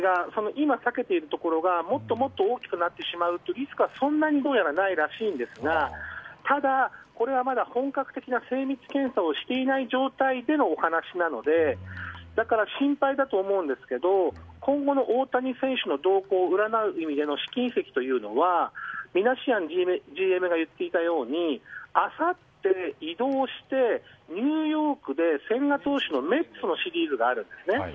今、裂けているところがもっと大きくなることはどうやらないらしいですがこれは、まだ本格的な精密検査をしていない状態でのお話なのでだから心配だと思うんですが今後の大谷選手の動向を占う意味での試金石というのはミナシアンＧＭが言っていたようにあさって移動してニューヨークで千賀投手のメッツのシリーズがあるんですね。